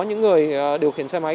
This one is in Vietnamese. những người điều khiển xe máy